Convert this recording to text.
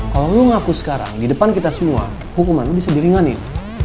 kalau lo ngaku sekarang di depan kita semua hukuman lu bisa diringanin